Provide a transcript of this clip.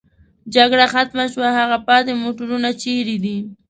جګړه ختمه شوې، هغه پاتې موټرونه چېرې دي؟